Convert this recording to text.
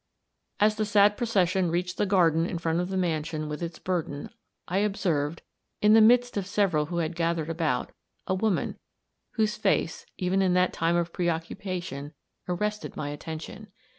As the sad procession reached the garden in front of the mansion with its burden, I observed, in the midst of several who had gathered about, a woman, whose face, even in that time of preoccupation, arrested my attention.